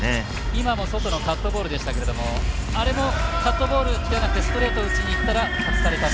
今の外のカットボールでしたけれどもあれも、カットボールではなくストレートを打ちにいっていたら外されたと。